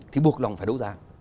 thì buộc lòng phải đấu giá